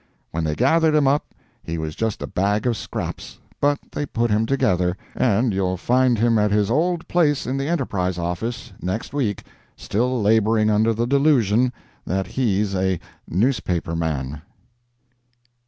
When they gathered him up he was just a bag of scraps, but they put him together, and you'll find him at his old place in the Enterprise office next week, still laboring under the delusion that he's a newspaper man.